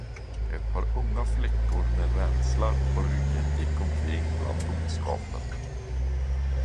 Ett par unga flickor med ränslar på ryggen gick omkring bland boskapen.